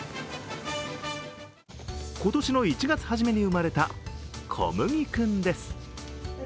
今年の１月初めに生まれたこむぎ君です。